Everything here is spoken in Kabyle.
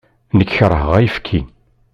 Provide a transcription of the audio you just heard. Nekk keṛheɣ ayefki.